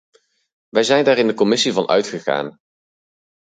Wij zijn daar in de commissie van uitgegaan.